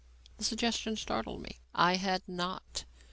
The suggestion startled me. I had not.